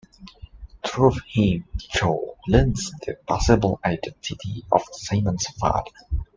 Through him, Joe learns the possible identity of Simon's father.